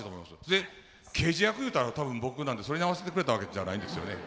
で刑事役いうたら多分僕なんでそれに合わせてくれたわけじゃないんですよね。